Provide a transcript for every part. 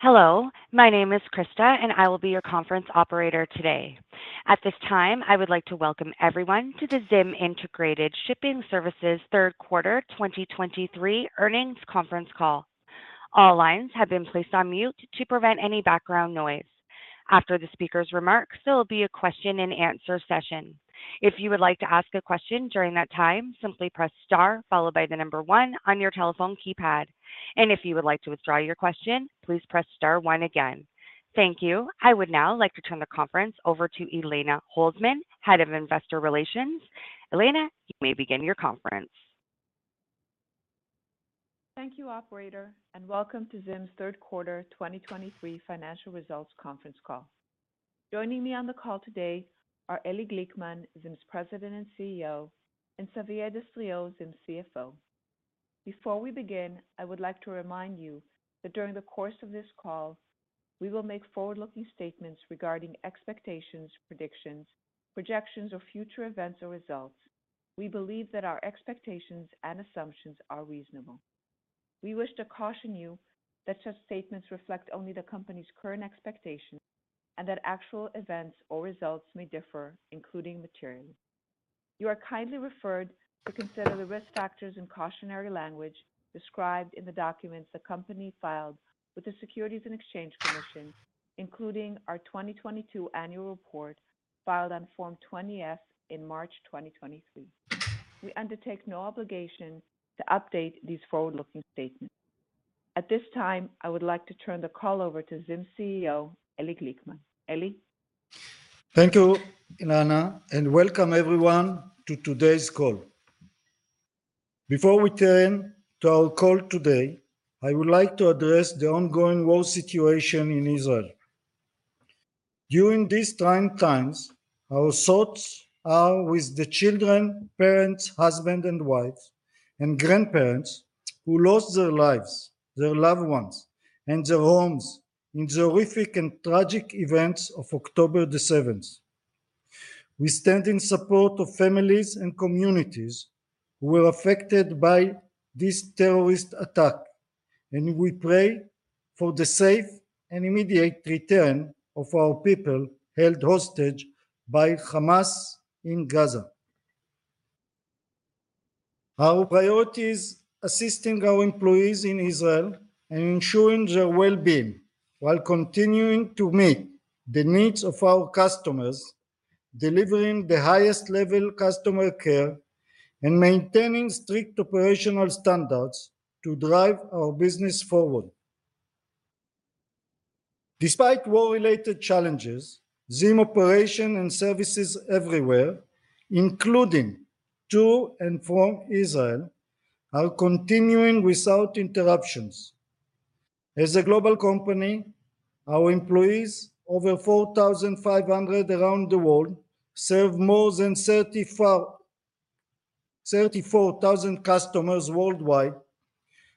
Hello, my name is Krista, and I will be your conference operator today. At this time, I would like to welcome everyone to the ZIM Integrated Shipping Services third quarter 2023 earnings conference call. All lines have been placed on mute to prevent any background noise. After the speaker's remarks, there will be a question-and-answer session. If you would like to ask a question during that time, simply press star followed by the number one on your telephone keypad. If you would like to withdraw your question, please press star one again. Thank you. I would now like to turn the conference over to Elana Holzman, Head of Investor Relations. Elana, you may begin your conference. Thank you, operator, and welcome to ZIM's third quarter 2023 financial results conference call. Joining me on the call today are Eli Glickman, ZIM's President and CEO, and Xavier Destriau, ZIM's CFO. Before we begin, I would like to remind you that during the course of this call, we will make forward-looking statements regarding expectations, predictions, projections, or future events or results. We believe that our expectations and assumptions are reasonable. We wish to caution you that such statements reflect only the company's current expectations and that actual events or results may differ, including materially. You are kindly referred to consider the risk factors and cautionary language described in the documents the company filed with the Securities and Exchange Commission, including our 2022 annual report filed on Form 20-F in March 2023. We undertake no obligation to update these forward-looking statements. At this time, I would like to turn the call over to ZIM's CEO, Eli Glickman. Eli? Thank you, Elana, and welcome everyone to today's call. Before we turn to our call today, I would like to address the ongoing war situation in Israel. During these trying times, our thoughts are with the children, parents, husbands and wives, and grandparents who lost their lives, their loved ones, and their homes in the horrific and tragic events of October the seventh. We stand in support of families and communities who were affected by this terrorist attack, and we pray for the safe and immediate return of our people held hostage by Hamas in Gaza. Our priority is assisting our employees in Israel and ensuring their well-being while continuing to meet the needs of our customers, delivering the highest-level customer care, and maintaining strict operational standards to drive our business forward. Despite war-related challenges, ZIM operations and services everywhere, including to and from Israel, are continuing without interruptions. As a global company, our employees, over 4,500 around the world, serve more than 34,000 customers worldwide,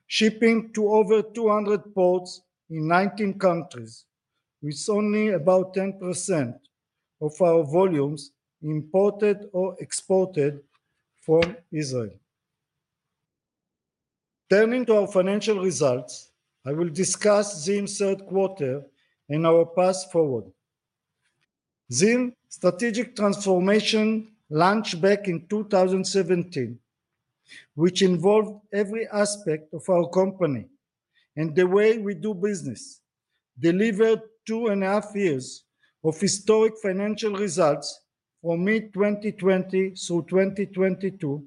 shipping to over 200 ports in 19 countries, with only about 10% of our volumes imported or exported from Israel. Turning to our financial results, I will discuss ZIM's third quarter and our path forward. ZIM strategic transformation launched back in 2017, which involved every aspect of our company and the way we do business, delivered two and a half years of historic financial results from mid-2020 through 2022,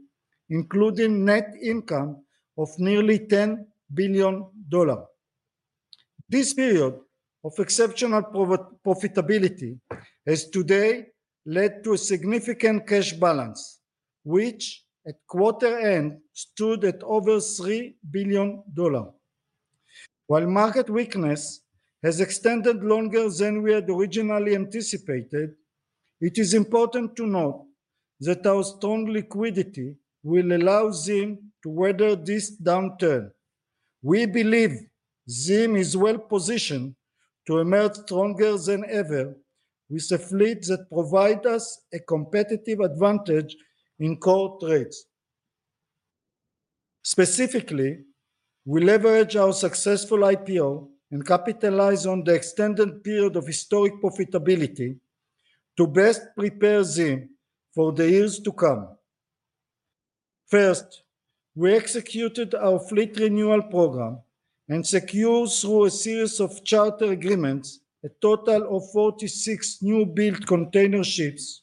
including net income of nearly $10 billion. This period of exceptional profitability has today led to a significant cash balance, which at quarter end stood at over $3 billion. While market weakness has extended longer than we had originally anticipated, it is important to note that our strong liquidity will allow ZIM to weather this downturn. We believe ZIM is well positioned to emerge stronger than ever, with a fleet that provide us a competitive advantage in core trades. Specifically, we leverage our successful IPO and capitalize on the extended period of historic profitability to best prepare ZIM for the years to come. First, we executed our fleet renewal program and secured through a series of charter agreements, a total of 46 newbuild container ships,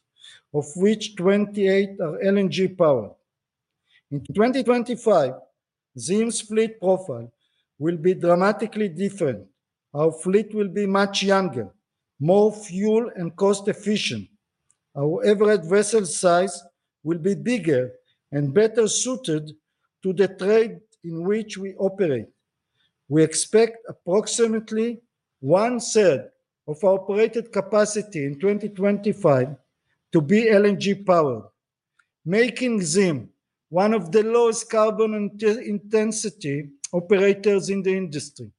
of which 28 are LNG-powered. In 2025, ZIM's fleet profile will be dramatically different. Our fleet will be much younger, more fuel and cost efficient. Our average vessel size will be bigger and better suited to the trade in which we operate. We expect approximately 1/3 of our operated capacity in 2025 to be LNG-powered, making ZIM one of the lowest carbon intensity operators in the industry.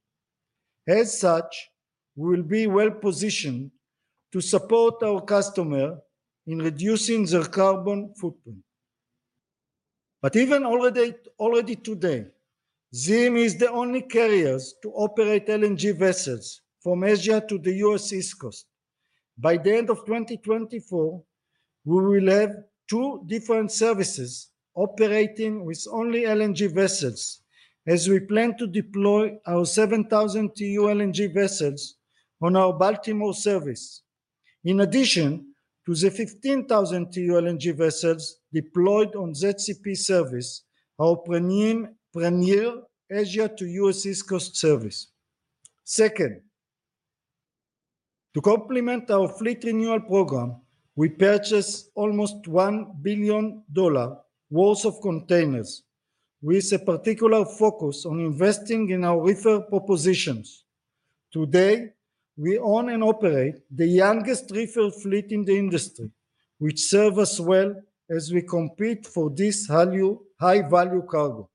As such, we will be well positioned to support our customer in reducing their carbon footprint. But even already, already today, ZIM is the only carriers to operate LNG vessels from Asia to the U.S. East Coast. By the end of 2024, we will have two different services operating with only LNG vessels, as we plan to deploy our 7,000 TEU LNG vessels on our Baltimore service. In addition to the 15,000 TEU LNG vessels deployed on ZCP service, our premier, premier Asia to U.S. East Coast service. Second, to complement our fleet renewal program, we purchased almost $1 billion worth of containers, with a particular focus on investing in our reefer propositions. Today, we own and operate the youngest reefer fleet in the industry, which serve us well as we compete for this value, high-value cargo.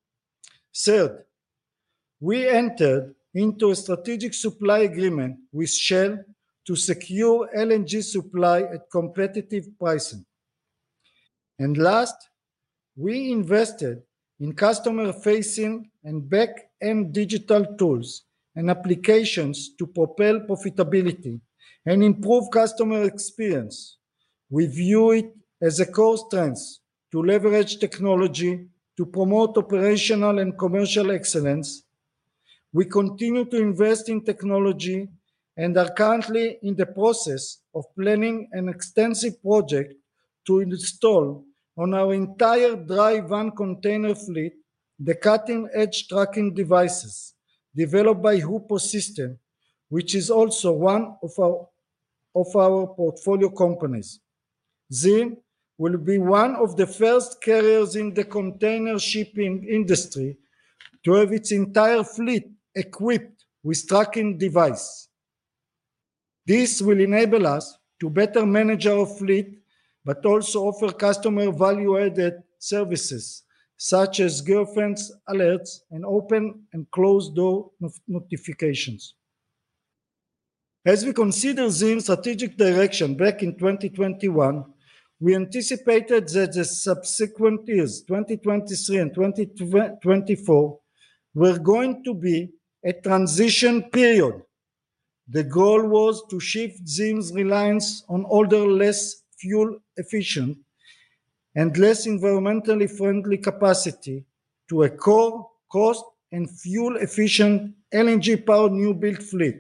Third, we entered into a strategic supply agreement with Shell to secure LNG supply at competitive pricing. And last, we invested in customer-facing and back-end digital tools and applications to propel profitability and improve customer experience. We view it as a core strength to leverage technology to promote operational and commercial excellence. We continue to invest in technology and are currently in the process of planning an extensive project to install on our entire dry van container fleet, the cutting-edge tracking devices developed by Hoopo, which is also one of our portfolio companies. ZIM will be one of the first carriers in the container shipping industry to have its entire fleet equipped with tracking device. This will enable us to better manage our fleet, but also offer customer value-added services, such as geofence alerts and open and closed door notifications. As we consider ZIM's strategic direction back in 2021, we anticipated that the subsequent years, 2023 and 2024, were going to be a transition period. The goal was to shift ZIM's reliance on older, less fuel-efficient, and less environmentally friendly capacity to a core cost and fuel-efficient, LNG-powered new built fleet.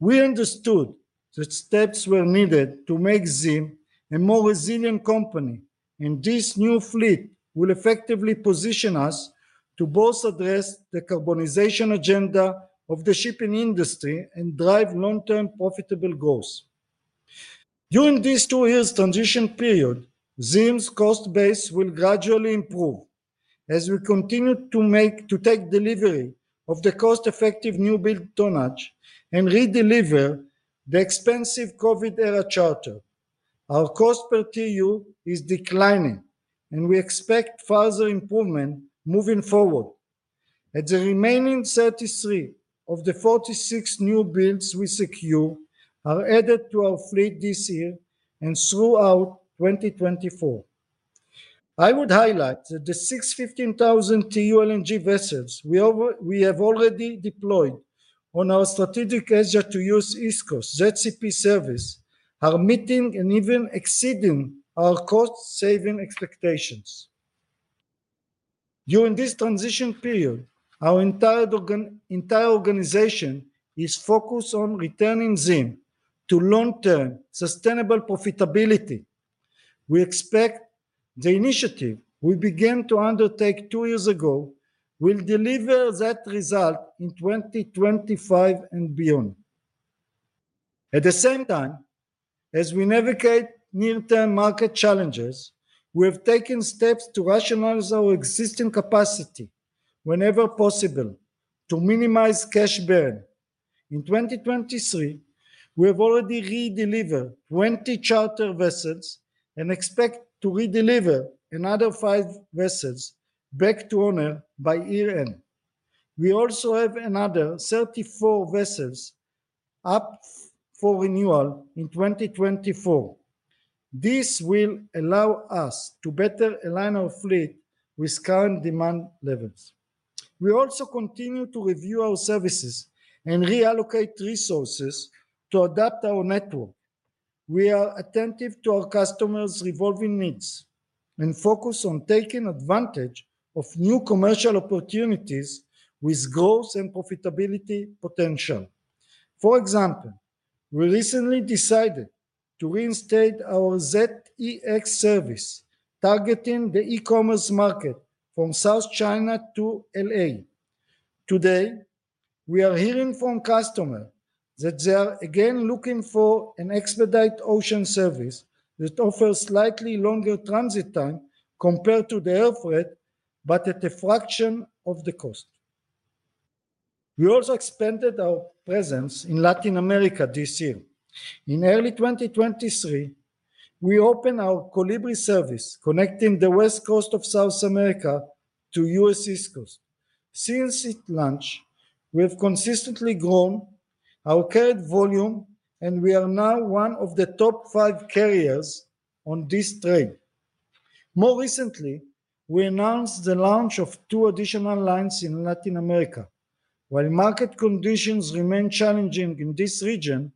We understood that steps were needed to make ZIM a more resilient company, and this new fleet will effectively position us to both address the carbonization agenda of the shipping industry and drive long-term profitable growth. During these two years transition period, ZIM's cost base will gradually improve as we continue to take delivery of the cost-effective newbuild tonnage and redeliver the expensive COVID-era charter. Our cost per TEU is declining, and we expect further improvement moving forward. As the remaining 33 of the 46 newbuilds we secure are added to our fleet this year and throughout 2024. I would highlight that the six 15,000 TEU LNG vessels we have already deployed on our strategic Asia to U.S. East Coast, ZCP service, are meeting and even exceeding our cost-saving expectations. During this transition period, our entire organization is focused on returning ZIM to long-term sustainable profitability. We expect the initiative we began to undertake two years ago will deliver that result in 2025 and beyond. At the same time, as we navigate near-term market challenges, we have taken steps to rationalize our existing capacity whenever possible to minimize cash burn. In 2023, we have already redelivered 20 charter vessels and expect to redeliver another five vessels back to owner by year-end. We also have another 34 vessels up for renewal in 2024. This will allow us to better align our fleet with current demand levels. We also continue to review our services and reallocate resources to adapt our network. We are attentive to our customers' evolving needs and focused on taking advantage of new commercial opportunities with growth and profitability potential. For example, we recently decided to reinstate our ZEX service, targeting the e-commerce market from South China to LA. Today, we are hearing from customer that they are again looking for an expedite ocean service that offers slightly longer transit time compared to the air freight, but at a fraction of the cost. We also expanded our presence in Latin America this year. In early 2023, we opened our Colibri service, connecting the West Coast of South America to U.S. East Coast. Since its launch, we have consistently grown our carried volume, and we are now one of the top five carriers on this trade. More recently, we announced the launch of two additional lines in Latin America. While market conditions remain challenging in this region,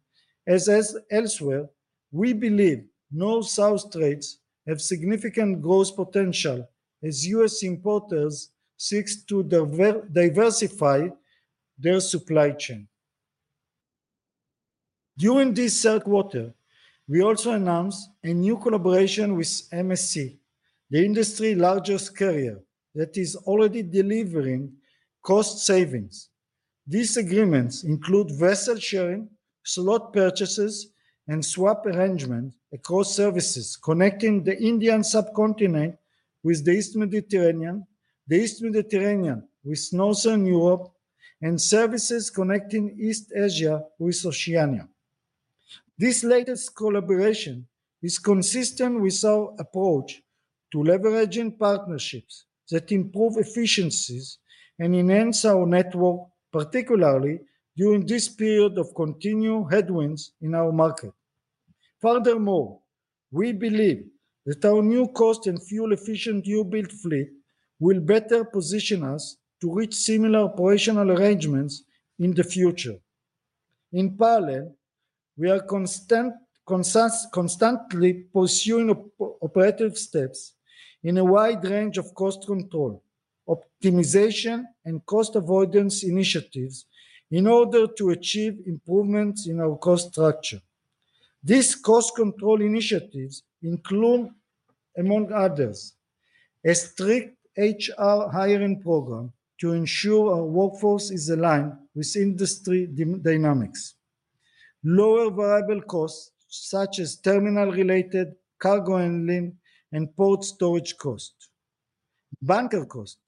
as elsewhere, we believe North-South trades have significant growth potential as U.S. importers seek to diversify their supply chain. During this third quarter, we also announced a new collaboration with MSC, the industry largest carrier that is already delivering cost savings. These agreements include vessel sharing, slot purchases, and swap arrangement across services connecting the Indian Subcontinent with the East Mediterranean, the East Mediterranean with Northern Europe, and services connecting East Asia with Oceania. This latest collaboration is consistent with our approach to leveraging partnerships that improve efficiencies and enhance our network, particularly during this period of continued headwinds in our market. Furthermore, we believe that our new cost and fuel-efficient new-built fleet will better position us to reach similar operational arrangements in the future. In parallel, we are constantly pursuing operative steps in a wide range of cost control, optimization, and cost avoidance initiatives in order to achieve improvements in our cost structure. These cost control initiatives include, among others: a strict HR hiring program to ensure our workforce is aligned with industry dynamics; lower variable costs, such as terminal-related cargo handling and port storage costs; bunker costs,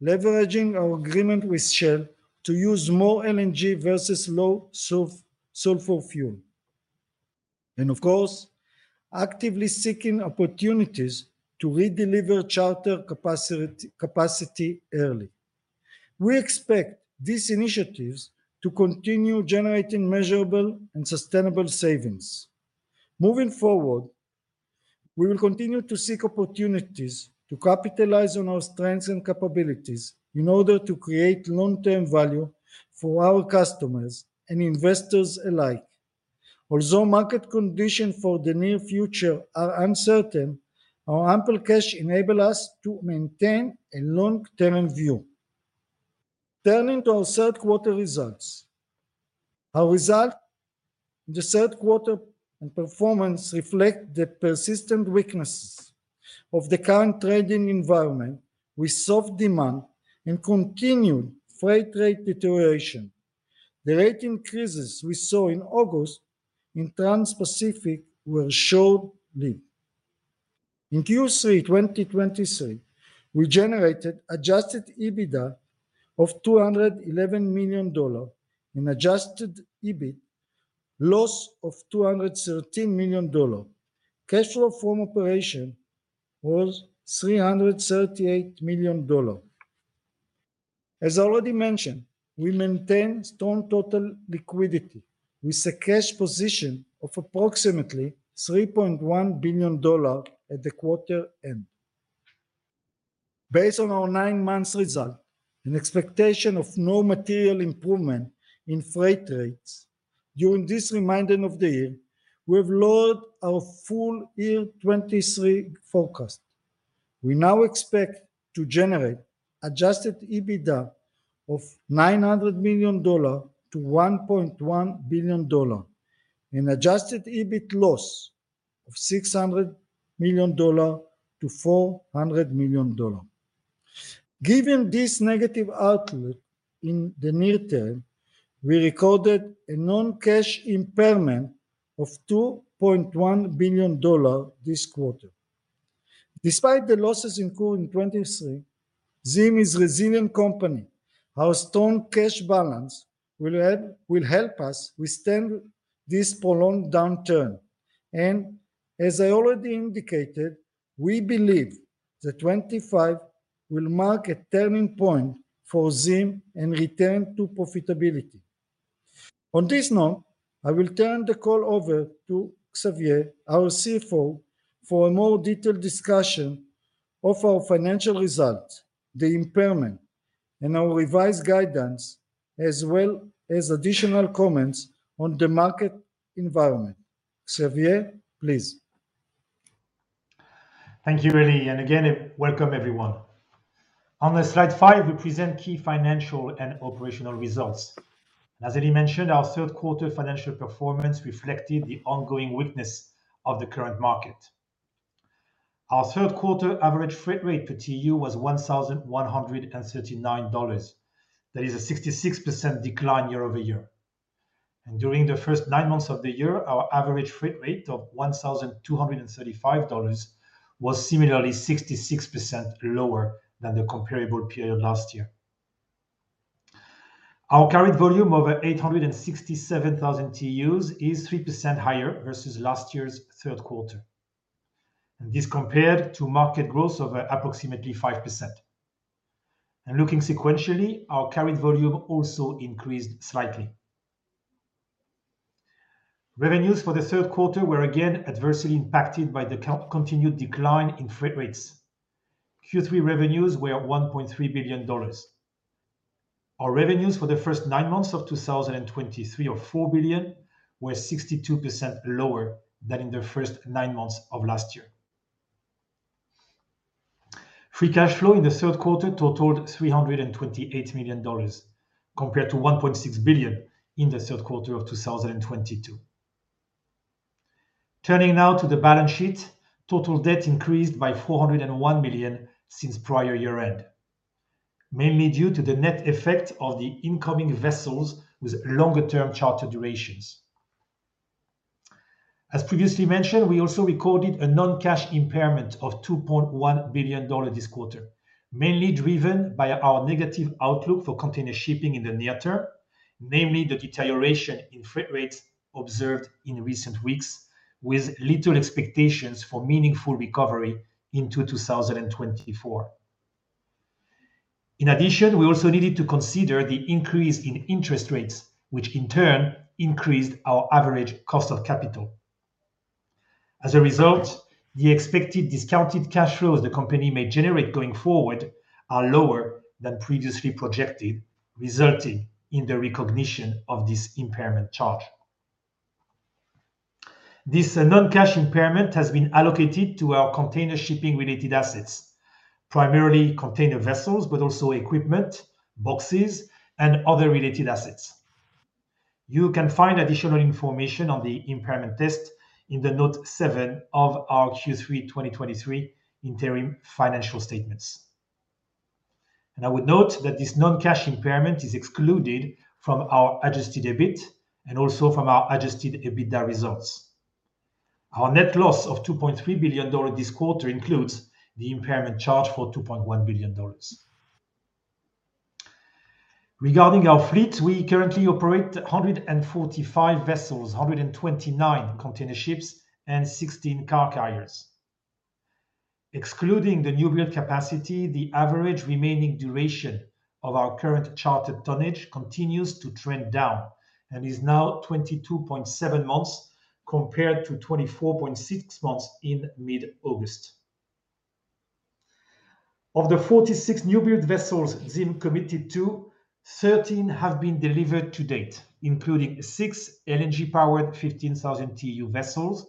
leveraging our agreement with Shell to use more LNG versus low sulfur fuel; and of course, actively seeking opportunities to redeliver charter capacity early. We expect these initiatives to continue generating measurable and sustainable savings. Moving forward, we will continue to seek opportunities to capitalize on our strengths and capabilities in order to create long-term value for our customers and investors alike. Although market conditions for the near future are uncertain, our ample cash enable us to maintain a long-term view. Turning to our third quarter results. Our result, the third quarter and performance reflect the persistent weaknesses of the current trading environment with soft demand and continued freight rate deterioration. The rate increases we saw in August in Transpacific were short-lived. In Q3 2023, we generated adjusted EBITDA of $211 million and adjusted EBIT loss of $213 million. Cash flow from operation was $338 million. As already mentioned, we maintain strong total liquidity, with a cash position of approximately $3.1 billion at the quarter-end. Based on our nine months result and expectation of no material improvement in freight rates during this remaining of the year, we've lowered our full-year 2023 forecast. We now expect to generate Adjusted EBITDA of $900 million-$1.1 billion, and Adjusted EBIT loss of $600 million-$400 million. Given this negative outlook in the near term, we recorded a non-cash impairment of $2.1 billion this quarter. Despite the losses incurred in 2023, ZIM is a resilient company. Our strong cash balance will help us withstand this prolonged downturn. As I already indicated, we believe that 2025 will mark a turning point for ZIM and return to profitability. On this note, I will turn the call over to Xavier, our CFO, for a more detailed discussion of our financial results, the impairment, and our revised guidance, as well as additional comments on the market environment. Xavier, please. Thank you, Eli, and again, welcome everyone. On the slide five, we present key financial and operational results. As Eli mentioned, our third quarter financial performance reflected the ongoing weakness of the current market. Our third quarter average freight rate per TEU was $1,139. That is a 66% decline year over year. And during the first nine months of the year, our average freight rate of $1,235 was similarly 66% lower than the comparable period last year. Our carried volume over 867,000 TEUs is 3% higher versus last year's third quarter, and this compared to market growth of approximately 5%. And looking sequentially, our carried volume also increased slightly. Revenues for the third quarter were again adversely impacted by the continued decline in freight rates. Q3 revenues were $1.3 billion. Our revenues for the first nine months of 2023 of $4 billion were 62% lower than in the first nine months of last year. Free cash flow in the third quarter totaled $328 million, compared to $1.6 billion in the third quarter of 2022. Turning now to the balance sheet, total debt increased by $401 million since prior year-end, mainly due to the net effect of the incoming vessels with longer-term charter durations. As previously mentioned, we also recorded a non-cash impairment of $2.1 billion this quarter, mainly driven by our negative outlook for container shipping in the near term, namely the deterioration in freight rates observed in recent weeks, with little expectations for meaningful recovery into 2024. In addition, we also needed to consider the increase in interest rates, which in turn increased our average cost of capital. As a result, the expected discounted cash flows the company may generate going forward are lower than previously projected, resulting in the recognition of this impairment charge. This non-cash impairment has been allocated to our container shipping related assets, primarily container vessels, but also equipment, boxes, and other related assets. You can find additional information on the impairment test in note 7 of our Q3 2023 interim financial statements. I would note that this non-cash impairment is excluded from our Adjusted EBIT and also from our Adjusted EBITDA results. Our net loss of $2.3 billion this quarter includes the impairment charge for $2.1 billion. Regarding our fleet, we currently operate 145 vessels, 129 container ships and 16 car carriers. Excluding the newbuild capacity, the average remaining duration of our current chartered tonnage continues to trend down and is now 22.7 months, compared to 24.6 months in mid-August. Of the 46 newbuild vessels ZIM committed to, 13 have been delivered to date, including six LNG-powered 15,000 TEU vessels,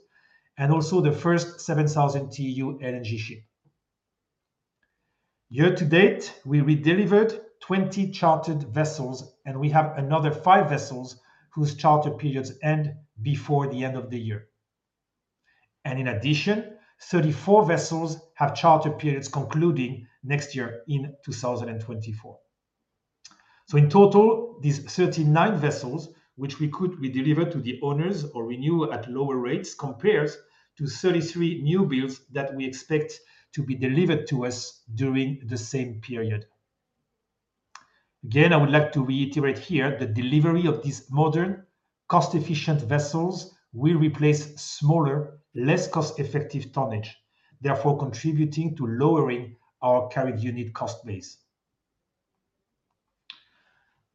and also the first 7,000 TEU LNG ship. Year to date, we redelivered 20 chartered vessels, and we have another five vessels whose charter periods end before the end of the year. In addition, 34 vessels have charter periods concluding next year in 2024. So in total, these 39 vessels, which we could redeliver to the owners or renew at lower rates, compares to 33 newbuilds that we expect to be delivered to us during the same period. Again, I would like to reiterate here that delivery of these modern, cost-efficient vessels will replace smaller, less cost-effective tonnage, therefore contributing to lowering our carried unit cost base.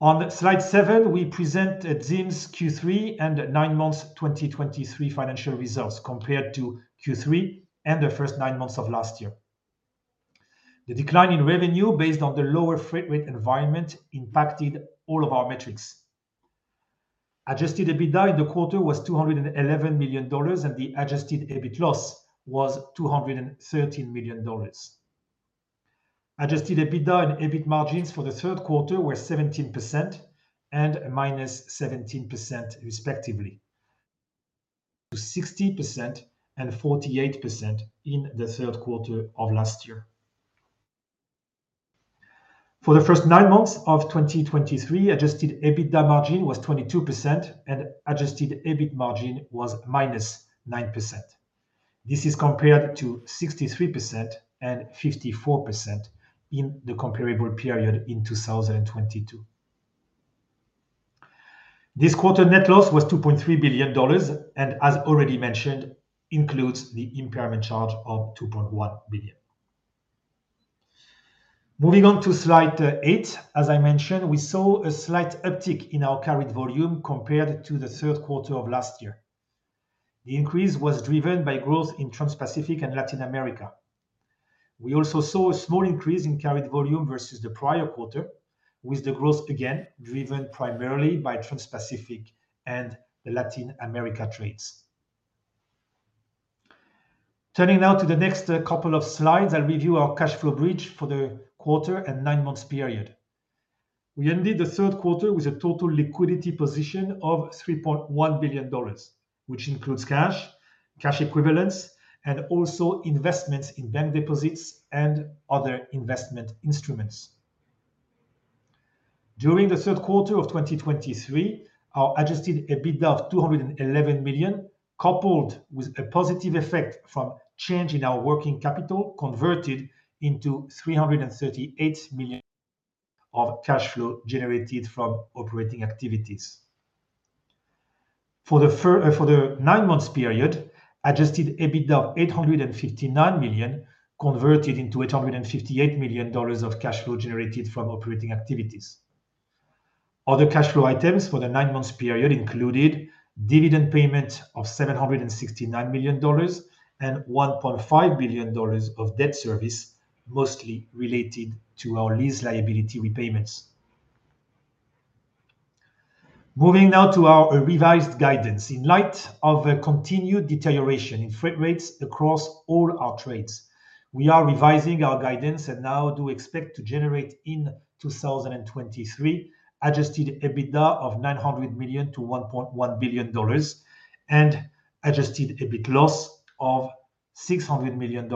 On slide seven, we present ZIM's Q3 and nine months 2023 financial results compared to Q3 and the first nine months of last year. The decline in revenue based on the lower freight rate environment impacted all of our metrics. Adjusted EBITDA in the quarter was $211 million, and the Adjusted EBIT loss was $213 million. Adjusted EBITDA and EBIT margins for the third quarter were 17% and -17%, respectively, to 60% and 48% in the third quarter of last year. For the first nine months of 2023, adjusted EBITDA margin was 22% and adjusted EBIT margin was -9%. This is compared to 63% and 54% in the comparable period in 2022. This quarter, net loss was $2.3 billion, and as already mentioned, includes the impairment charge of $2.1 billion. Moving on to slide eight, as I mentioned, we saw a slight uptick in our carried volume compared to the third quarter of last year. The increase was driven by growth in Transpacific and Latin America. We also saw a small increase in carried volume versus the prior quarter, with the growth again driven primarily by Transpacific and the Latin America trades. Turning now to the next couple of slides, I'll review our cash flow bridge for the quarter and nine months period. We ended the third quarter with a total liquidity position of $3.1 billion, which includes cash, cash equivalents, and also investments in bank deposits and other investment instruments. During the third quarter of 2023, our Adjusted EBITDA of $211 million coupled with a positive effect from change in our working capital, converted into $338 million of cash flow generated from operating activities. For the nine months period, adjusted EBITDA of $859 million, converted into $858 million of cash flow generated from operating activities. Other cash flow items for the nine months period included dividend payment of $769 million, and $1.5 billion of debt service, mostly related to our lease liability repayments. Moving now to our revised guidance. In light of a continued deterioration in freight rates across all our trades, we are revising our guidance and now do expect to generate in 2023, adjusted EBITDA of $900 million to $1.1 billion, and adjusted EBIT loss of $600 million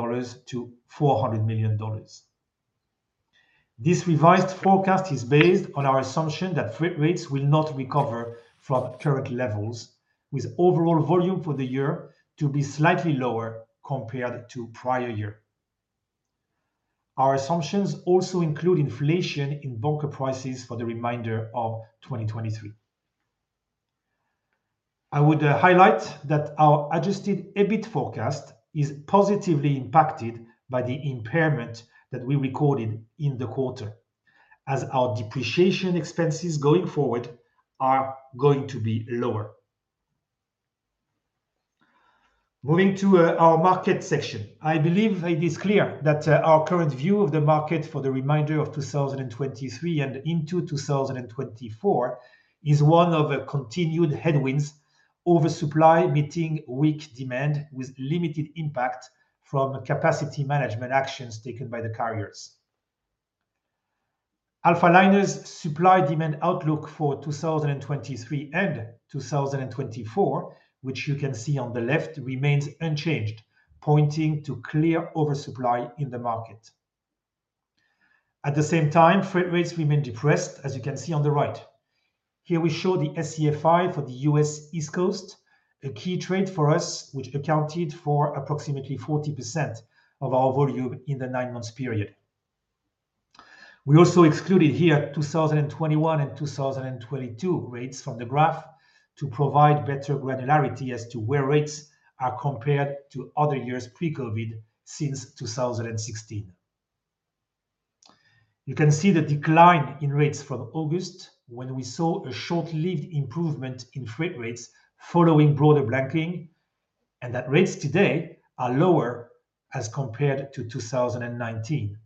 to $400 million. This revised forecast is based on our assumption that freight rates will not recover from current levels, with overall volume for the year to be slightly lower compared to prior year. Our assumptions also include inflation in bunker prices for the remainder of 2023. I would highlight that our adjusted EBIT forecast is positively impacted by the impairment that we recorded in the quarter, as our depreciation expenses going forward are going to be lower. Moving to our market section. I believe it is clear that our current view of the market for the remainder of 2023 and into 2024 is one of continued headwinds, oversupply meeting weak demand with limited impact from capacity management actions taken by the carriers. Alphaliner's supply-demand outlook for 2023 and 2024, which you can see on the left, remains unchanged, pointing to clear oversupply in the market. At the same time, freight rates remain depressed, as you can see on the right. Here we show the SCFI for the U.S. East Coast, a key trade for us, which accounted for approximately 40% of our volume in the nine months period. We also excluded here 2021 and 2022 rates from the graph to provide better granularity as to where rates are compared to other years pre-COVID since 2016. You can see the decline in rates from August when we saw a short-lived improvement in freight rates following broader blanking, and that rates today are lower as compared to 2019,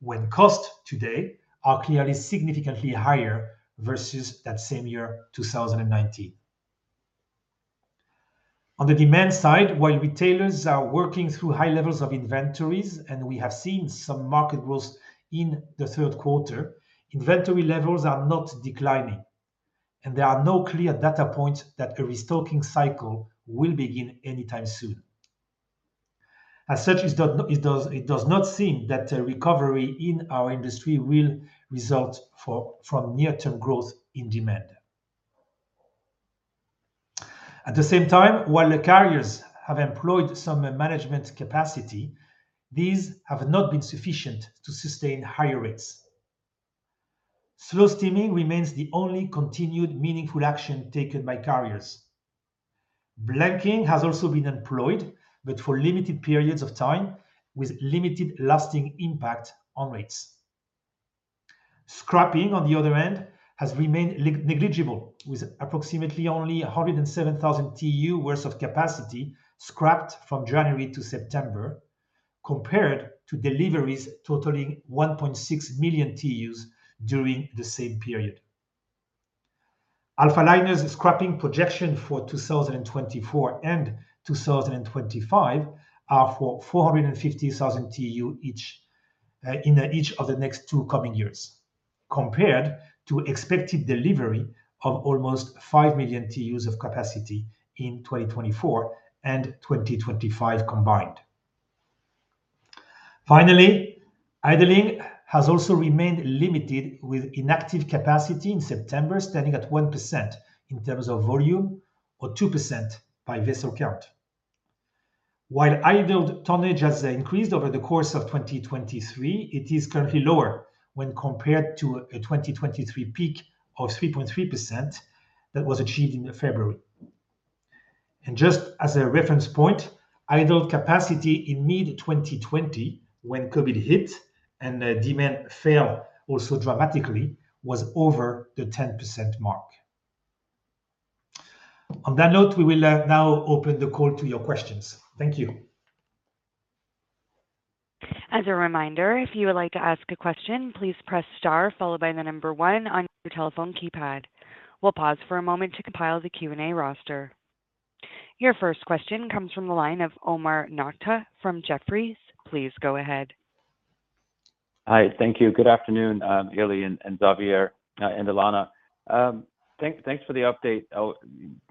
when costs today are clearly significantly higher versus that same year, 2019. On the demand side, while retailers are working through high levels of inventories, and we have seen some market growth in the third quarter, inventory levels are not declining, and there are no clear data points that a restocking cycle will begin anytime soon. As such, it does not seem that a recovery in our industry will result from near-term growth in demand. At the same time, while the carriers have employed some management capacity, these have not been sufficient to sustain higher rates. Slow steaming remains the only continued meaningful action taken by carriers. Blanking has also been employed, but for limited periods of time, with limited lasting impact on rates. Scrapping, on the other hand, has remained negligible, with approximately only 107,000 TEU worth of capacity scrapped from January to September, compared to deliveries totaling 1.6 million TEUs during the same period. Alphaliner's scrapping projection for 2024 and 2025 are for 450,000 TEU each in each of the next two coming years, compared to expected delivery of almost 5 million TEUs of capacity in 2024 and 2025 combined. Finally, idling has also remained limited, with inactive capacity in September standing at 1% in terms of volume or 2% by vessel count. While idled tonnage has increased over the course of 2023, it is currently lower when compared to a 2023 peak of 3.3% that was achieved in February. Just as a reference point, idled capacity in mid-2020, when COVID hit and demand fell also dramatically, was over the 10% mark. On that note, we will now open the call to your questions. Thank you. As a reminder, if you would like to ask a question, please press star followed by the number one on your telephone keypad. We'll pause for a moment to compile the Q&A roster. Your first question comes from the line of Omar Nokta from Jefferies. Please go ahead. Hi. Thank you. Good afternoon, Eli and Xavier and Elana. Thanks for the update.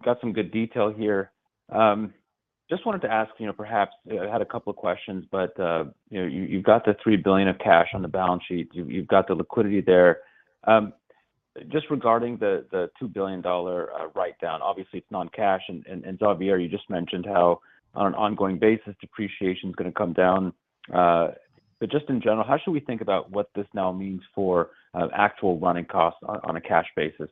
Got some good detail here. Just wanted to ask, you know, perhaps. I had a couple of questions, but, you know, you've got the $3 billion of cash on the balance sheet. You've got the liquidity there. So. Just regarding the $2 billion write-down. Obviously, it's non-cash, and Xavier, you just mentioned how on an ongoing basis, depreciation is gonna come down. But just in general, how should we think about what this now means for actual running costs on a cash basis?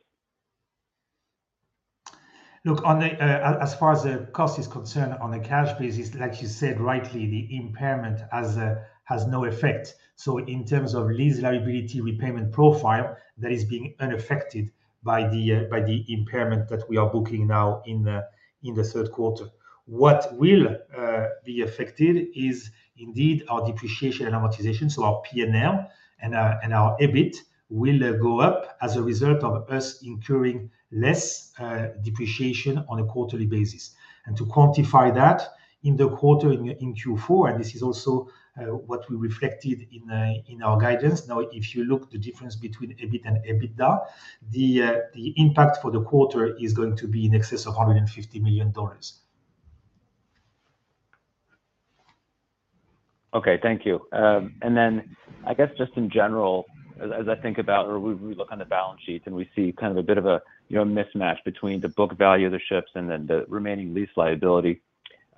Look, on the—as far as the cost is concerned on a cash basis, like you said, rightly, the impairment has no effect. So in terms of lease liability repayment profile, that is being unaffected by the impairment that we are booking now in the third quarter. What will be affected is indeed our depreciation and amortization, so our PNL and our EBIT will go up as a result of us incurring less depreciation on a quarterly basis. And to quantify that, in the quarter, in Q4, and this is also what we reflected in our guidance. Now, if you look the difference between EBIT and EBITDA, the impact for the quarter is going to be in excess of $150 million. Okay, thank you. And then I guess just in general, as, as I think about or we, we look on the balance sheets, and we see kind of a bit of a, you know, mismatch between the book value of the ships and then the remaining lease liability.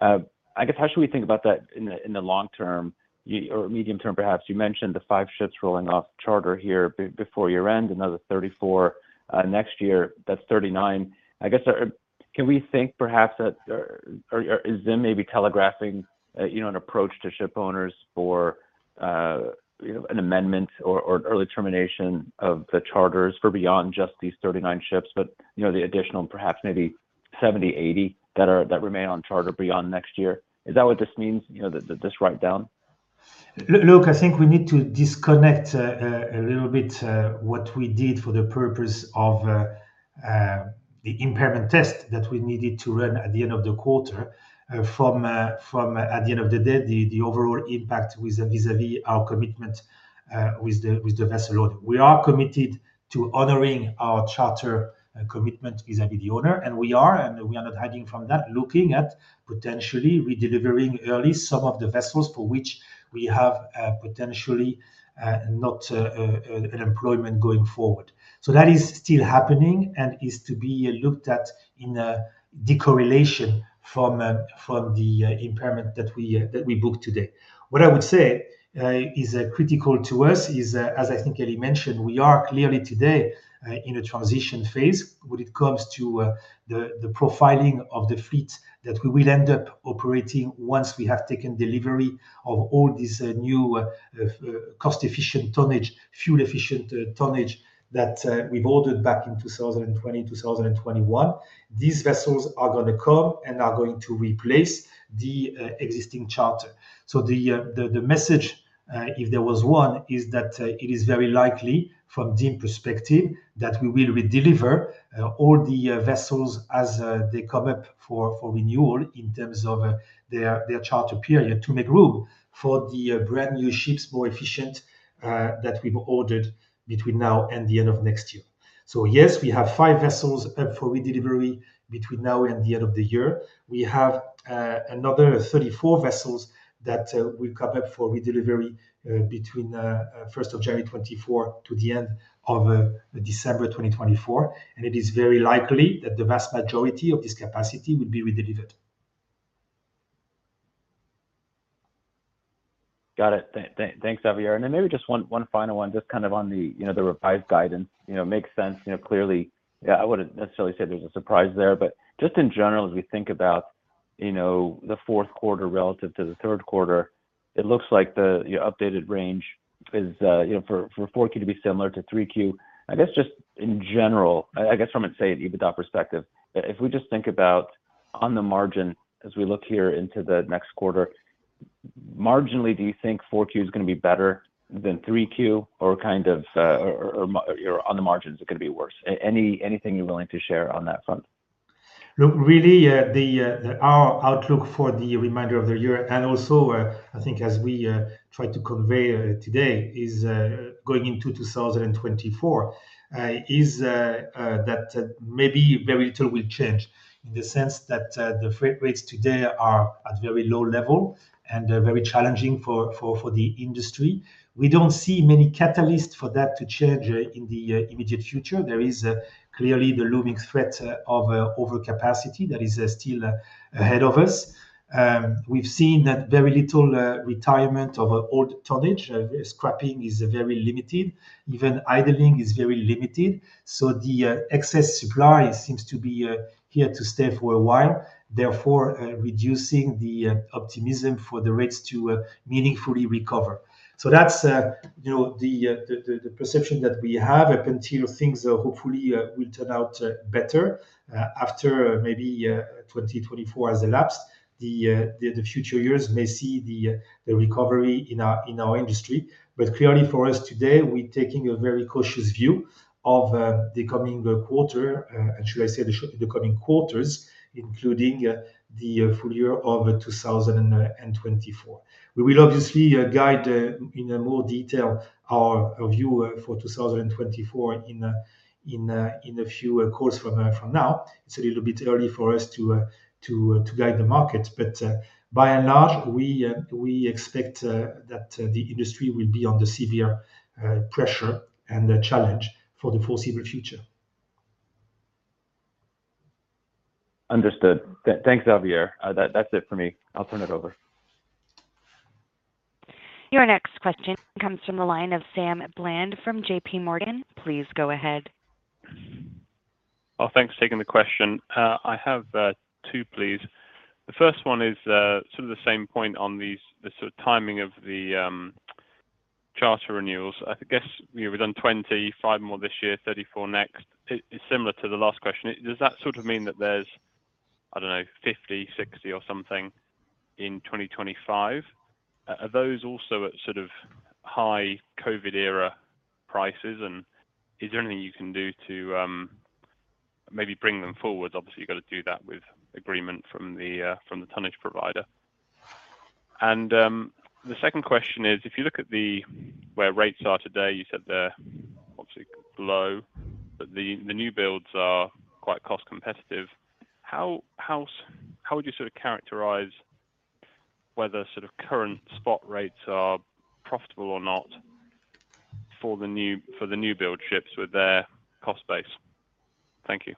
I guess, how should we think about that in the, in the long term or medium term, perhaps? You mentioned the five ships rolling off charter here before year-end, another 34, next year, that's 39. I guess, can we think perhaps that, or, or is ZIM maybe telegraphing, you know, an approach to shipowners for, you know, an amendment or, or early termination of the charters for beyond just these 39 ships, but, you know, the additional perhaps maybe 70, 80, that are, that remain on charter beyond next year? Is that what this means, you know, this write-down? Look, I think we need to disconnect a little bit what we did for the purpose of the impairment test that we needed to run at the end of the quarter from... At the end of the day, the overall impact vis-à-vis our commitment with the vessel owner. We are committed to honoring our charter commitment vis-à-vis the owner, and we are not hiding from that, looking at potentially redelivering early some of the vessels for which we have potentially not an employment going forward. So that is still happening and is to be looked at in decorrelation from the impairment that we booked today. What I would say, is critical to us is, as I think Eli mentioned, we are clearly today, in a transition phase when it comes to, the profiling of the fleet, that we will end up operating once we have taken delivery of all these, new, cost-efficient tonnage, fuel-efficient, tonnage, that, we've ordered back in 2020, 2021. These vessels are gonna come and are going to replace the, existing charter. So the message, if there was one, is that it is very likely from ZIM perspective, that we will redeliver all the vessels as they come up for renewal in terms of their charter period, to make room for the brand-new ships, more efficient, that we've ordered between now and the end of next year. So yes, we have five vessels up for redelivery between now and the end of the year. We have another 34 vessels that will come up for redelivery between first of January 2024 to the end of December 2024, and it is very likely that the vast majority of this capacity will be redelivered. Got it. Thanks, Xavier. And then maybe just one final one, just kind of on the revised guidance. You know, makes sense, you know, clearly, I wouldn't necessarily say there's a surprise there, but just in general, as we think about the fourth quarter relative to the third quarter, it looks like your updated range is for 4Q to be similar to 3Q. I guess just in general, I guess from, let's say, an EBITDA perspective, if we just think about on the margin as we look here into the next quarter, marginally, do you think 4Q is gonna be better than 3Q or kind of or you know, on the margins, is it gonna be worse? Anything you're willing to share on that front? Look, really, our outlook for the remainder of the year, and also, I think as we try to convey today, is going into 2024, is that maybe very little will change, in the sense that the freight rates today are at very low level and very challenging for the industry. We don't see many catalysts for that to change in the immediate future. There is clearly the looming threat of overcapacity that is still ahead of us. We've seen that very little retirement of old tonnage. Scrapping is very limited. Even idling is very limited, so the excess supply seems to be here to stay for a while, therefore reducing the optimism for the rates to meaningfully recover. So that's, you know, the perception that we have up until things hopefully will turn out better after maybe 2024 has elapsed. The future years may see the recovery in our industry, but clearly for us today, we're taking a very cautious view of the coming quarter, and should I say, the coming quarters, including the full year of 2024. We will obviously guide in more detail our view for 2024 in a few quarters from now. It's a little bit early for us to guide the market, but by and large, we expect that the industry will be under severe pressure and challenge for the foreseeable future. Understood. Thanks, Xavier. That's it for me. I'll turn it over. Your next question comes from the line of Sam Bland from JPMorgan. Please go ahead. Oh, thanks for taking the question. I have two, please. The first one is sort of the same point on these, the sort of timing of the charter renewals. I guess we've done 25 more this year, 34 next. It is similar to the last question. Does that sort of mean that there's, I don't know, 50, 60, or something in 2025? Are those also at sort of high COVID era prices, and is there anything you can do to maybe bring them forward? Obviously, you've got to do that with agreement from the tonnage provider. And the second question is, if you look at the where rates are today, you said they're obviously low, but the newbuilds are quite cost competitive. How would you sort of characterize whether sort of current spot rates are profitable or not for the newbuild ships with their cost base? Thank you.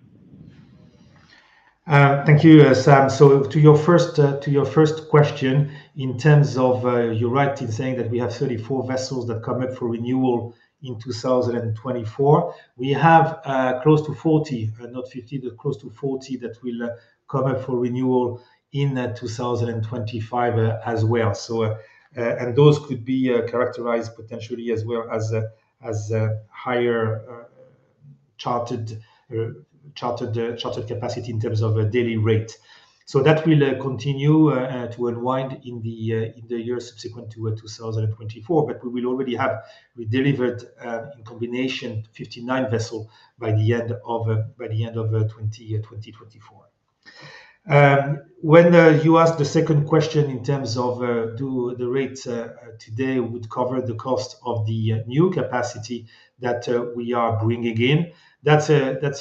Thank you, Sam. So to your first question, in terms of... You're right in saying that we have 34 vessels that come up for renewal in 2024. We have close to 40, not 50, but close to 40 that will come up for renewal in 2025 as well. So, and those could be characterized potentially as well as a higher chartered capacity in terms of a daily rate. So that will continue to unwind in the years subsequent to 2024, but we will already have delivered in combination 59 vessels by the end of 2024. When you ask the second question in terms of do the rates today would cover the cost of the new capacity that we are bringing in, that's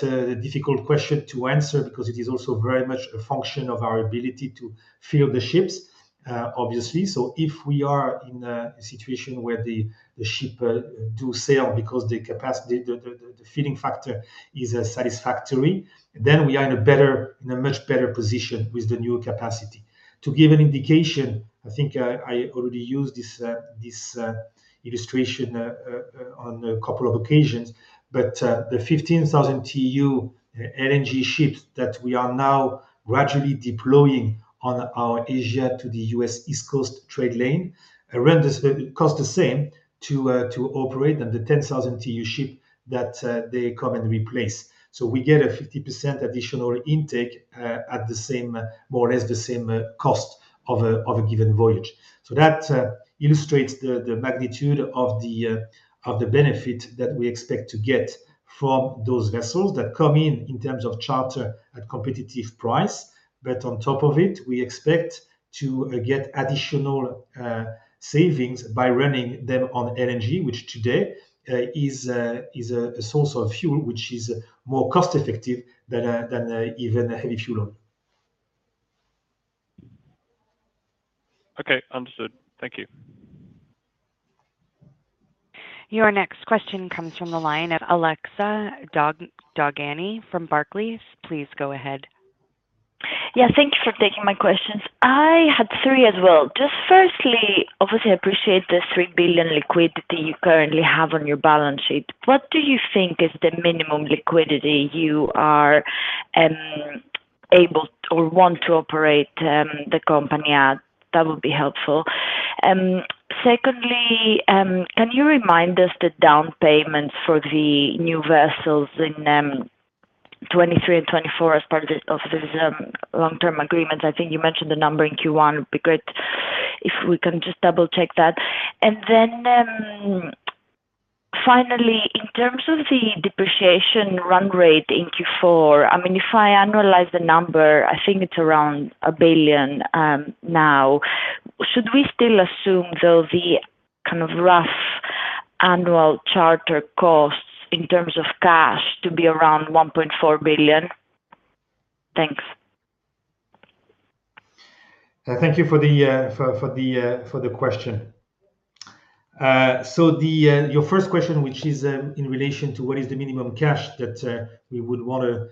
a difficult question to answer because it is also very much a function of our ability to fill the ships, obviously. So if we are in a situation where the ship do sail because the capacity, the filling factor is satisfactory, then we are in a better, in a much better position with the new capacity. To give an indication, I think, I already used this illustration on a couple of occasions, but the 15,000 TEU LNG ships that we are now gradually deploying on our Asia to the U.S. East Coast trade lane cost the same to operate than the 10,000 TEU ship that they come and replace. So we get a 50% additional intake at more or less the same cost of a given voyage. So that illustrates the magnitude of the benefit that we expect to get from those vessels that come in, in terms of charter at competitive price. But on top of it, we expect to get additional savings by running them on LNG, which today is a source of fuel which is more cost-effective than even a heavy fuel oil. Okay, understood. Thank you. Your next question comes from the line of Alexia Dogani from Barclays. Please go ahead. Yeah, thank you for taking my questions. I had three as well. Just firstly, obviously, I appreciate the $3 billion liquidity you currently have on your balance sheet. What do you think is the minimum liquidity you are able or want to operate the company at? That would be helpful. Secondly, can you remind us the down payments for the new vessels in 2023 and 2024 as part of this long-term agreements? I think you mentioned the number in Q1. It'd be great if we can just double-check that. And then, finally, in terms of the depreciation run rate in Q4, I mean, if I annualize the number, I think it's around $1 billion now. Should we still assume, though, the kind of rough annual charter costs in terms of cash to be around $1.4 billion? Thanks. Thank you for the question. So your first question, which is in relation to what is the minimum cash that we would wanna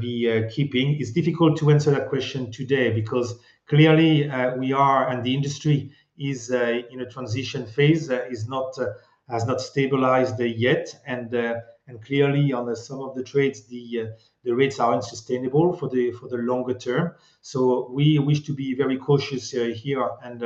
be keeping, it's difficult to answer that question today because clearly we are and the industry is in a transition phase, has not stabilized yet. And clearly on some of the trades, the rates are unsustainable for the longer term. So we wish to be very cautious here, and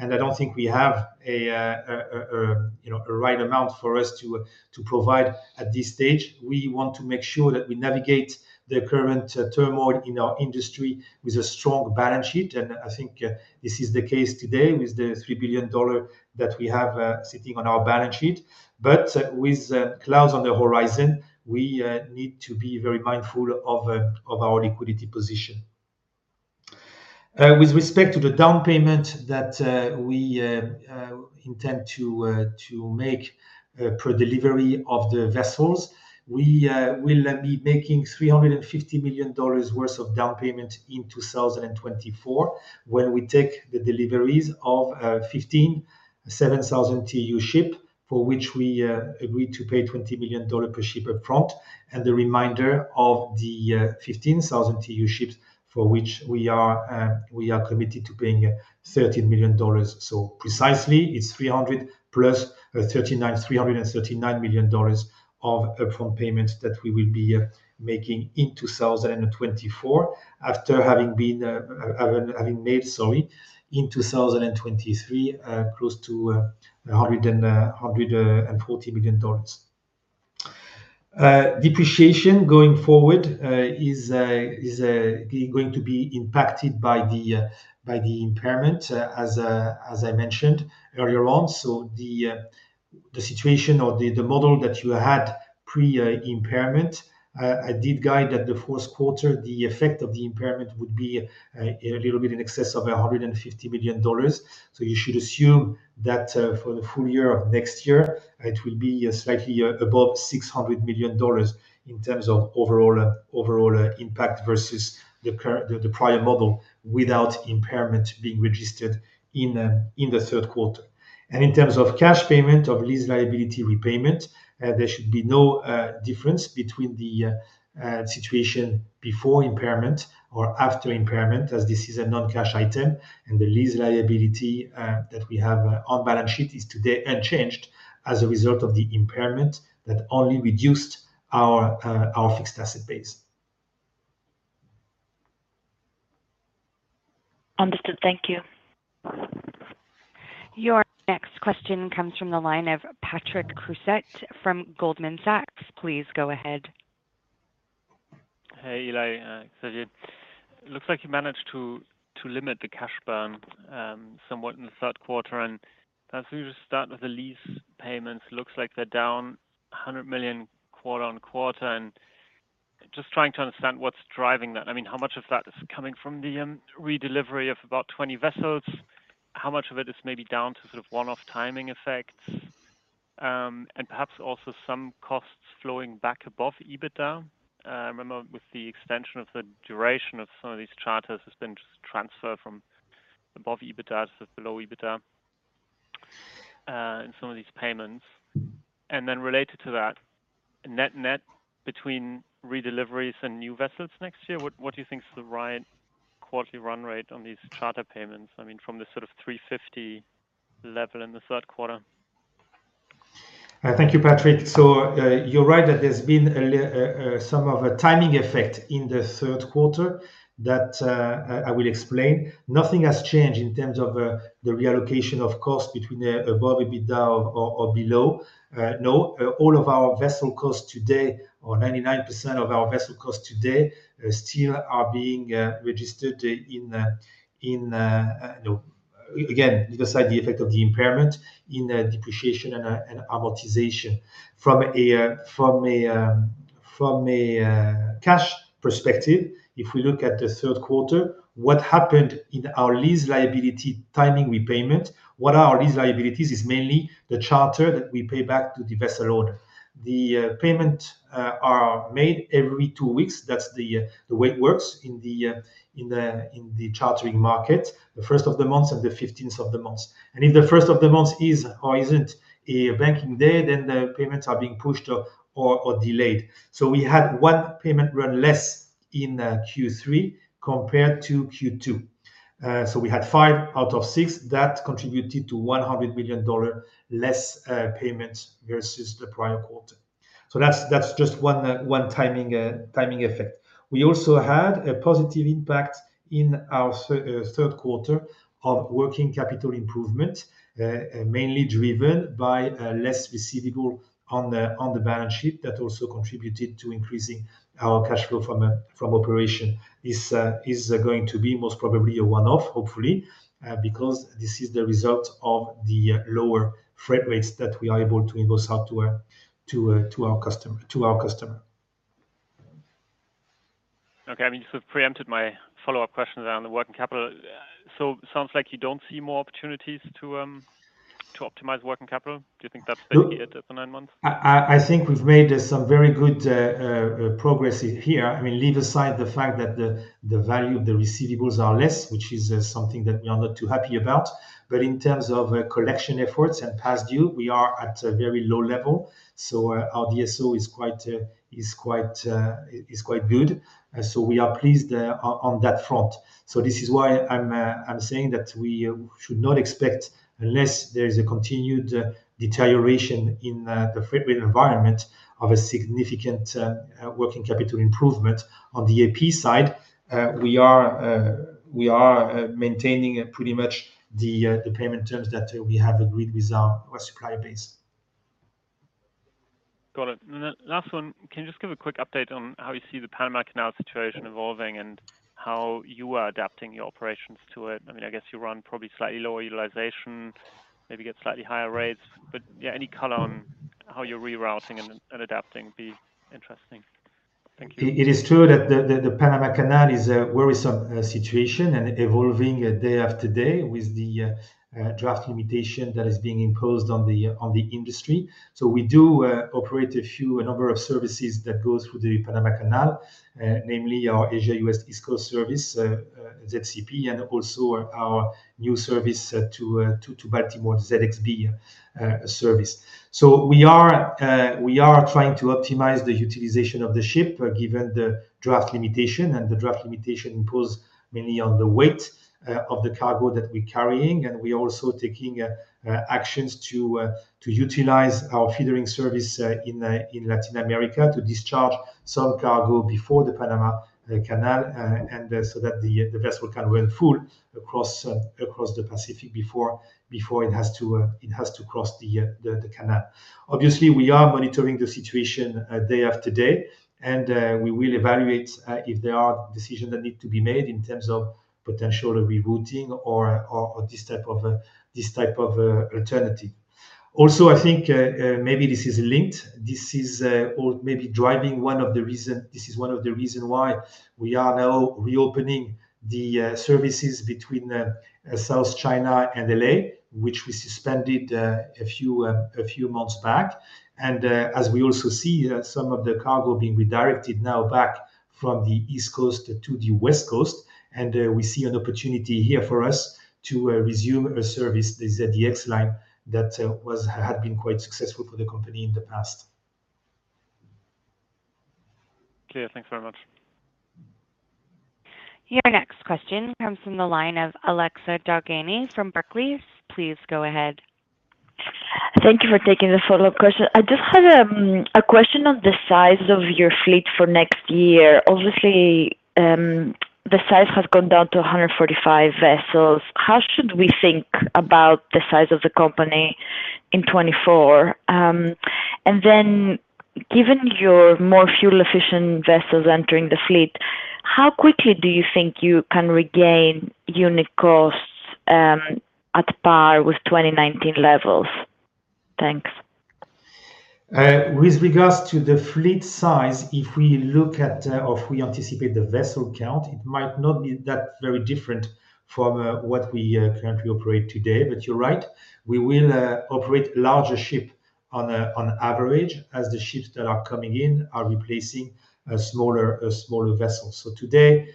I don't think we have a, you know, a right amount for us to provide at this stage. We want to make sure that we navigate the current turmoil in our industry with a strong balance sheet, and I think this is the case today with the $3 billion that we have sitting on our balance sheet. But with clouds on the horizon, we need to be very mindful of our liquidity position. With respect to the down payment that we intend to make per delivery of the vessels, we will be making $350 million worth of down payment in 2024, when we take the deliveries of fifteen 7,000 TEU ships, for which we agreed to pay $20 million per ship upfront. The remainder of the 15,000 TEU ships for which we are committed to paying $13 million. So precisely, it's $300 million + $39 million, $339 million of upfront payments that we will be making in 2024, after having made, sorry, in 2023 close to $140 million. Depreciation going forward is going to be impacted by the impairment, as I mentioned earlier on. So the situation or the model that you had pre impairment, I did guide that the first quarter, the effect of the impairment would be a little bit in excess of $150 million. So you should assume that, for the full year of next year, it will be slightly above $600 million in terms of overall impact versus the current... the prior model, without impairment being registered in the third quarter. And in terms of cash payment of lease liability repayment, there should be no difference between the situation before impairment or after impairment, as this is a non-cash item, and the lease liability that we have on balance sheet is today unchanged as a result of the impairment that only reduced our fixed asset base. Understood. Thank you. Your next question comes from the line of Patrick Creuset from Goldman Sachs. Please go ahead. Hey, Eli, Xavier. It looks like you managed to limit the cash burn somewhat in the third quarter, and as we just start with the lease payments, looks like they're down $100 million quarter on quarter, and just trying to understand what's driving that. I mean, how much of that is coming from the redelivery of about 20 vessels? How much of it is maybe down to sort of one-off timing effects, and perhaps also some costs flowing back above EBITDA? I remember with the extension of the duration of some of these charters has been just transferred from above EBITDA to below EBITDA in some of these payments. And then related to that, net-net, between redeliveries and new vessels next year, what do you think is the right quarterly run rate on these charter payments? I mean, from the sort of 350 level in the third quarter. Thank you, Patrick. So, you're right that there's been some of a timing effect in the third quarter, that I will explain. Nothing has changed in terms of the reallocation of cost between the above EBITDA or below. No, all of our vessel costs today, or 99% of our vessel costs today, still are being registered in... No. Again, besides the effect of the impairment, in the depreciation and amortization. From a cash perspective, if we look at the third quarter, what happened in our lease liability timing repayment, what our lease liabilities are is mainly the charter that we pay back to the vessel owner. The payment are made every two weeks. That's the way it works in the chartering market, the first of the month and the fifteenth of the month. And if the first of the month is or isn't a banking day, then the payments are being pushed or delayed. So we had one payment run less in Q3 compared to Q2. So we had five out of six that contributed to $100 million less payments versus the prior quarter. So that's just one timing effect. We also had a positive impact in our third quarter of working capital improvement, mainly driven by less receivable on the balance sheet. That also contributed to increasing our cash flow from operation. This is going to be most probably a one-off, hopefully, because this is the result of the lower freight rates that we are able to invoice out to our customer. Okay. I mean, you sort of preempted my follow-up question around working capital. So sounds like you don't see more opportunities to optimize working capital. Do you think that's steady here for nine months? I think we've made some very good progress here. I mean, leave aside the fact that the value of the receivables are less, which is something that we are not too happy about. But in terms of collection efforts and past due, we are at a very low level, so our DSO is quite good. So we are pleased on that front. So this is why I'm saying that we should not expect, unless there is a continued deterioration in the freight rate environment, of a significant working capital improvement. On the AP side, we are maintaining pretty much the payment terms that we have agreed with our supplier base. Got it. And then last one, can you just give a quick update on how you see the Panama Canal situation evolving and how you are adapting your operations to it? I mean, I guess you run probably slightly lower utilization, maybe get slightly higher rates, but, yeah, any color on how you're rerouting and adapting be interesting. Thank you. It is true that the Panama Canal is a worrisome situation and evolving day after day with the draft limitation that is being imposed on the industry. So we do operate a number of services that goes through the Panama Canal, namely our Asia-U.S. East Coast service, ZCP, and also our new service to Baltimore, ZXB service. So we are trying to optimize the utilization of the ship, given the draft limitation, and the draft limitation impose mainly on the weight of the cargo that we're carrying. We're also taking actions to utilize our feeder service in Latin America, to discharge some cargo before the Panama Canal, and so that the vessel can run full across the Pacific before it has to cross the canal. Obviously, we are monitoring the situation day after day, and we will evaluate if there are decisions that need to be made in terms of potential rerouting or this type of alternative. Also, I think, maybe this is linked, this is, or maybe driving one of the reason—this is one of the reason why we are now reopening the services between South China and LA, which we suspended a few months back. And as we also see some of the cargo being redirected now back from the East Coast to the West Coast, and we see an opportunity here for us to resume a service, the ZEX line, that was, had been quite successful for the company in the past. Clear. Thanks very much. Your next question comes from the line of Alexia Dogani from Barclays. Please go ahead. Thank you for taking the follow-up question. I just had a question on the size of your fleet for next year. Obviously, the size has gone down to 145 vessels. How should we think about the size of the company in 2024? And then, given your more fuel-efficient vessels entering the fleet, how quickly do you think you can regain unit costs at par with 2019 levels? Thanks. With regards to the fleet size, if we look at or if we anticipate the vessel count, it might not be that very different from what we currently operate today. But you're right, we will operate larger ship on average, as the ships that are coming in are replacing smaller vessels. So today,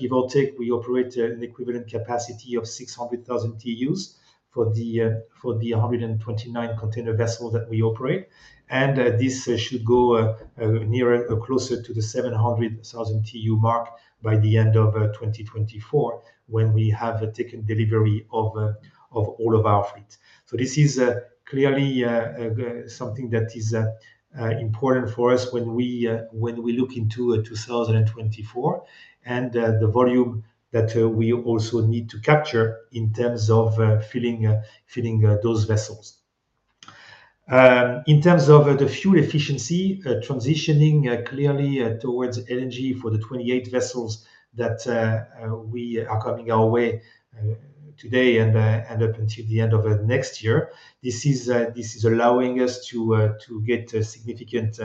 give or take, we operate an equivalent capacity of 600,000 TEUs for the 129 container vessels that we operate. And this should go nearer or closer to the 700,000 TEU mark by the end of 2024, when we have taken delivery of all of our fleets. So this is clearly something that is important for us when we look into 2024, and the volume that we also need to capture in terms of filling those vessels. In terms of the fuel efficiency, transitioning clearly towards energy for the 28 vessels that we are coming our way today and up until the end of next year, this is allowing us to get a significant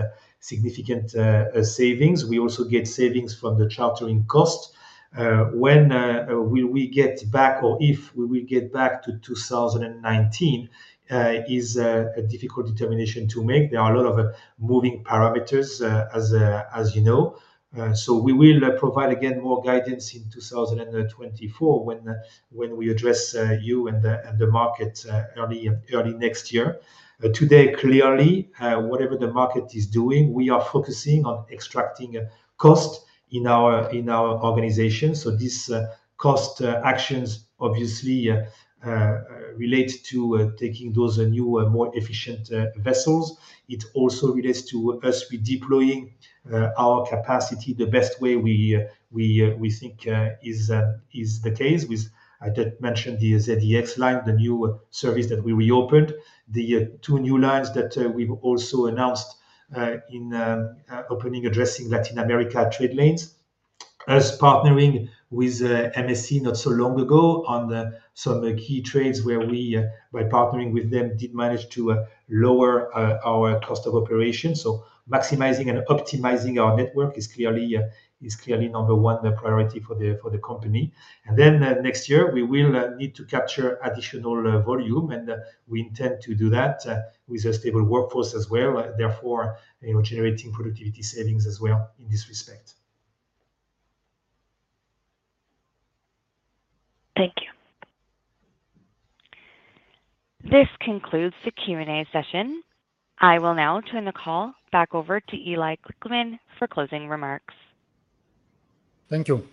savings. We also get savings from the chartering cost. When will we get back or if we will get back to 2019 is a difficult determination to make. There are a lot of moving parameters, as you know. So we will provide again, more guidance in 2024 when we address you and the market early next year. Today, clearly, whatever the market is doing, we are focusing on extracting cost in our organization. So this cost actions obviously relate to taking those new more efficient vessels. It also relates to us redeploying our capacity the best way we think is the case with... I did mention the ZEX line, the new service that we reopened. The two new lines that we've also announced in opening, addressing Latin America trade lanes. Our partnering with MSC not so long ago on some key trades where we, by partnering with them, did manage to lower our cost of operation. So maximizing and optimizing our network is clearly number one priority for the company. And then, next year, we will need to capture additional volume, and we intend to do that with a stable workforce as well, therefore, you know, generating productivity savings as well in this respect. Thank you. This concludes the Q&A session. I will now turn the call back over to Eli Glickman for closing remarks. Thank you.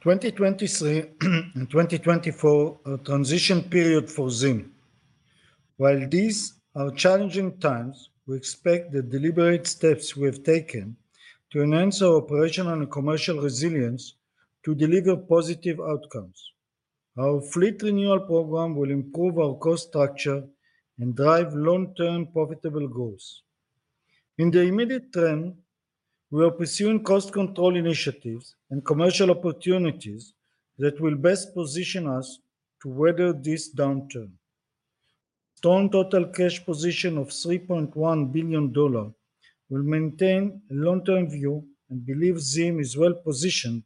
2023 and 2024, a transition period for ZIM. While these are challenging times, we expect the deliberate steps we have taken to enhance our operational and commercial resilience to deliver positive outcomes. Our fleet renewal program will improve our cost structure and drive long-term profitable growth. In the immediate term, we are pursuing cost control initiatives and commercial opportunities that will best position us to weather this downturn. Strong total cash position of $3.1 billion will maintain a long-term view and believe ZIM is well positioned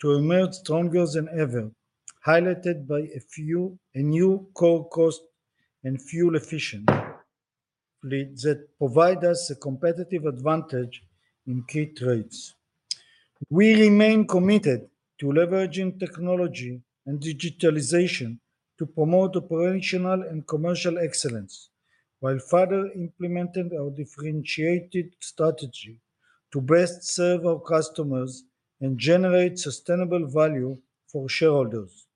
to emerge stronger than ever, highlighted by a few new low-cost and fuel-efficient that provide us a competitive advantage in key trades. We remain committed to leveraging technology and digitalization to promote operational and commercial excellence, while further implementing our differentiated strategy to best serve our customers and generate sustainable value for shareholders.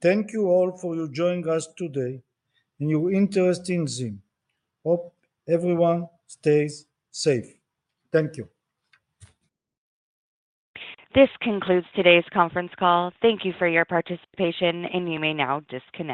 Thank you all for your joining us today, and your interest in ZIM. Hope everyone stays safe. Thank you. This concludes today's conference call. Thank you for your participation, and you may now disconnect.